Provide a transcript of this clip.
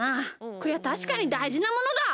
こりゃたしかにだいじなものだ！